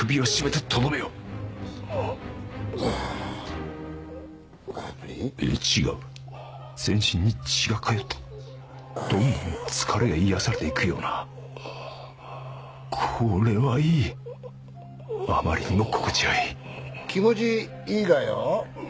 いや違う全身に血が通ったどんどん疲れが癒やされていくようなああこれはいいあまりにも心地よい気持ちいいがよ？